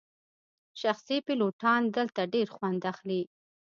شخصي پیلوټان دلته ډیر خوند اخلي